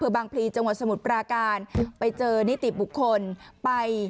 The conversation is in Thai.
บางพลีจังหวัดสมุทรปราการไปเจอนิติบุคคลไป